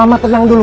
mama tenang dulu